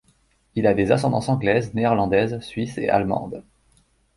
Il a des ascendances anglaise, néerlandaise, suisse et allemande.